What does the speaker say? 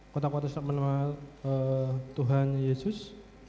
kontak whatsapp atas nama tuhan yesus